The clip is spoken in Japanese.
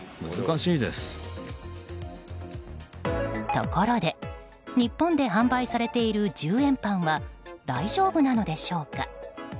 ところで日本で販売されている１０円パンは大丈夫なのでしょうか？